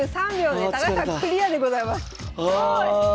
すごい！あ！